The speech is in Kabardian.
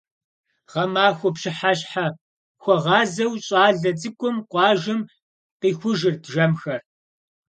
Гъэмахуэ пщыхьэщхьэхуэгъазэу щӏалэ цӏыкӏум къуажэм къихужырт жэмхэр.